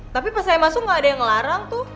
tapi pas saya masuk gak ada yang ngelarang tuh